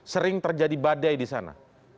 sering terjadi badai di sana